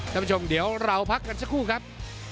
ท่านผู้ชมเดี๋ยวเราพักกันสักครู่ครับ